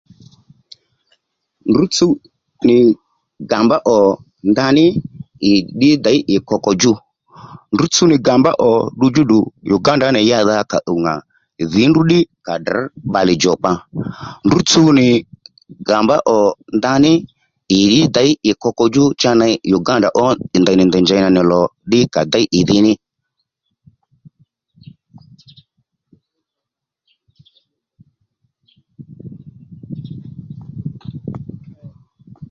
Ndrǔ tsuw nì gàmbá ò ndaní ì ddí děy ì koko djú ndrǔ tsuw nì gàmbá ò ddu djúddù Uganda nì yǎdha kà ùw ŋà dhì ní ndrǔ ddí à drř bbalè djùkpa ndrǔ tsu nì gàmbá ò ndaní ì ddí děy ì koko djú cha ney Uganda ó ndèy nì ndèy njěy nì lò ddí à déy ìdhí ní